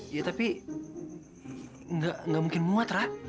ya tapi gak mungkin muat ra